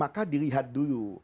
maka dilihat dulu